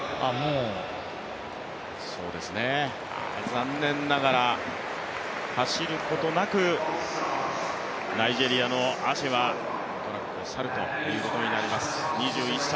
残念ながら走ることなくナイジェリアのアシェはトラックを去るということになります。